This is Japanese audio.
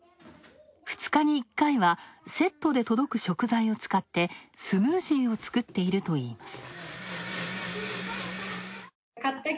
２日に１回はセットで届く食材を使ってスムージーを作っているといいます。